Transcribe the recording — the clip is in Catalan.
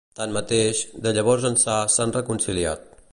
Tanmateix, de llavors ençà s'han reconciliat.